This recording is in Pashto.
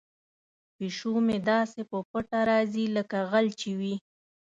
پیشو مې داسې په پټه راځي لکه غل چې وي.